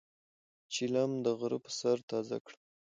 چیلم د غرۀ پۀ سر تازه کړه.